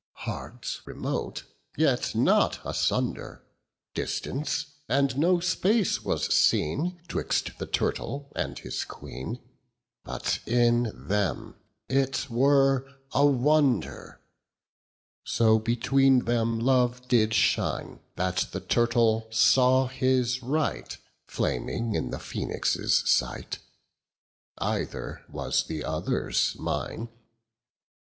Hearts remote, yet not asunder; Distance, and no space was seen 30 'Twixt the turtle and his queen: But in them it were a wonder. So between them love did shine, That the turtle saw his right Flaming in the phoenix' sight; 35 Either was the other's mine.